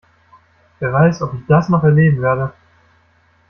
Wer weiß, ob ich das noch erleben werde?